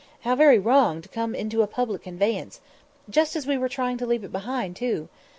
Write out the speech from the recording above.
"How very wrong to come into a public conveyance!" "Just as we were trying to leave it behind too!"